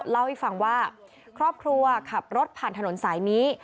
เล่าให้ฟังว่าครอบครัวขับรถผ่านถนนสายนี้